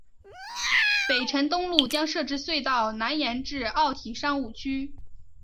北辰东路将设置隧道南延至奥体商务区。